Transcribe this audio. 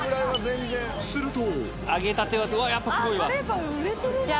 すると。